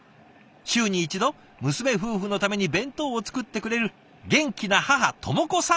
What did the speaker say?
週に一度娘夫婦のために弁当を作ってくれる元気な母知子さん